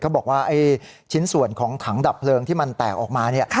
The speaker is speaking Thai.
บอกว่าชิ้นส่วนของถังดับเพลิงที่มันแตกออกมา